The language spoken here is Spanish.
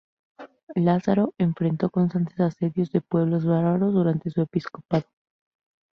Lázaro enfrentó constantes asedios de pueblos bárbaros, durante su episcopado.